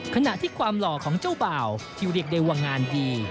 ขณะที่ความหล่อของเจ้าบ่าวที่เรียกได้ว่างานดี